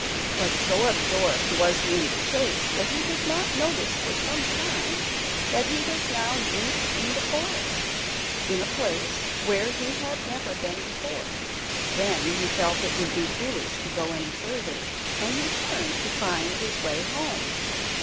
But so absorbed was he in the chase that he did not notice for some time that he was now deep in the forest, in a place where he had never been before. Then he felt it would be foolish to go any further, and he turned to find his way home.